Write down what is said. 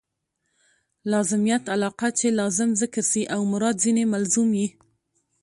لازمیت علاقه؛ چي لازم ذکر سي او مراد ځني ملزوم يي.